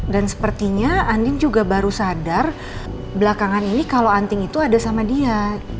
dan sepertinya andin juga baru sadar belakangan ini kalau anting itu ada sama dia